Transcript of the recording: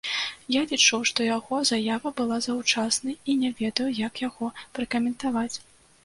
Я лічу, што яго заява была заўчаснай і не ведаю, як яго пракаментаваць.